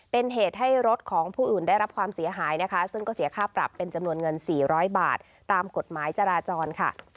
เป็นเหตุให้รถของผู้อื่นได้รับความเสียหายนะคะซึ่งก็เสียค่าปรับเป็นจำนวนเงิน๔๐๐บาทตามกฎหมายจราจรค่ะ